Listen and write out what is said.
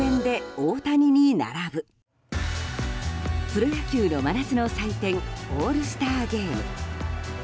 プロ野球の真夏の祭典オールスターゲーム。